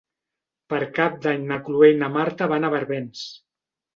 Per Cap d'Any na Cloè i na Marta van a Barbens.